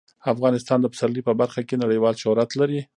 افغانستان د پسرلی په برخه کې نړیوال شهرت لري.